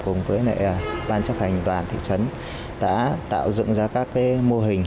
cùng với đoàn chấp hành đoàn thị trấn đã tạo dựng ra các mô hình